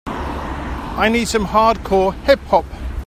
I need some Hardcore Hip Hop